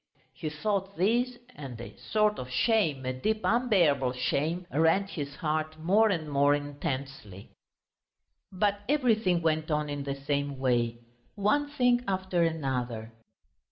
He thought this, and a sort of shame, a deep unbearable shame, rent his heart more and more intensely. But everything went on in the same way, one thing after another.